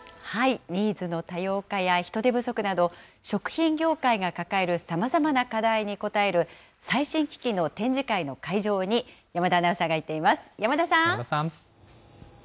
ニーズの多様化や人手不足など、食品業界が抱えるさまざまな課題に応える、最新機器の展示会の会場に、山田アナウンサーが行っています。